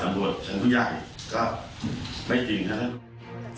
ตำรวจชั้นผู้ใหญ่ก็ไม่จริงนะครับ